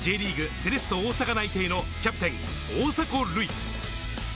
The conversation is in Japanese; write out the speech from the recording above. ・セレッソ大阪内定のキャプテン・大迫塁。